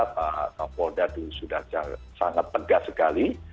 pak kapol dadu sudah sangat pegas sekali